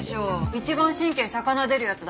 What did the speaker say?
一番神経逆なでるやつだ。